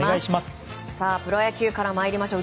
プロ野球から参りましょう。